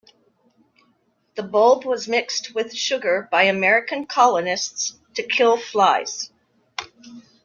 The bulb was mixed with sugar by American colonists to kill flies.